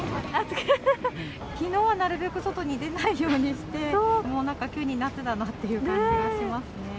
きのうなるべく外に出ないようにして、もうなんか、急に夏だなって感じがしますね。